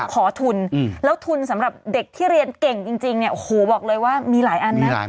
ขอทุนแล้วทุนสำหรับเด็กที่เรียนเก่งจริงเนี่ยโอ้โหบอกเลยว่ามีหลายอันนะ